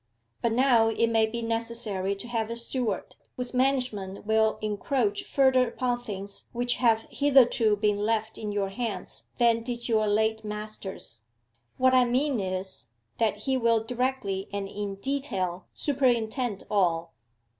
But now it may be necessary to have a steward, whose management will encroach further upon things which have hitherto been left in your hands than did your late master's. What I mean is, that he will directly and in detail superintend all.